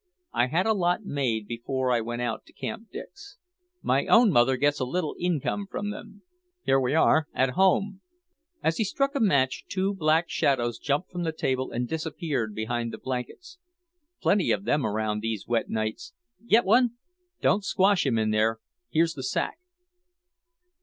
I had a lot made before I went out to Camp Dix. My own mother gets a little income from them. Here we are, at home." As he struck a match two black shadows jumped from the table and disappeared behind the blankets. "Plenty of them around, these wet nights. Get one? Don't squash him in there. Here's the sack."